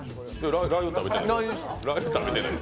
ラー油食べてない。